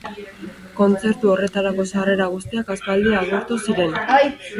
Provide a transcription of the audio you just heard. Kontzertu horretarako sarrera guztiak aspaldi agortu ziren.